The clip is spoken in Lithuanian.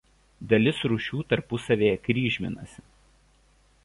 Dalis rūšių tarpusavyje kryžminasi.